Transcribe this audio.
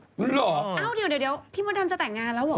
อ้าวเดี๋ยวพี่มดน่ะจะแต่งงานแล้วเหรอ